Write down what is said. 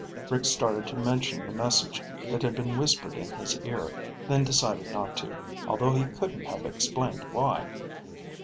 Rick started to mention the message that had been whispered in his ear, then decided not to, although he couldn't have explained why.